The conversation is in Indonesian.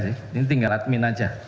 ini tinggal admin aja